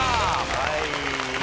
はい。